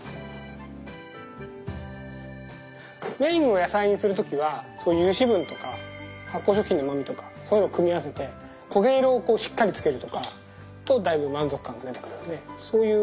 メインを野菜にする時は油脂分とか発酵食品のうまみとかそういうのを組み合わせて焦げ色をこうしっかりつけるとかとだいぶ満足感が出てくるのでそういうのは大事かもしれない。